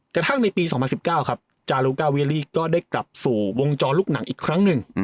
กระทั่งในปี๒๐๑๙ครับจารุกาเวียรี่ก็ได้กลับสู่วงจรลูกหนังอีกครั้งหนึ่ง